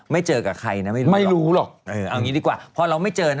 ไม่เจอกับใครนะไม่รู้หรอกเอาอย่างงี้ดีกว่าพอเราไม่เจอนะ